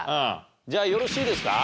じゃあよろしいですか？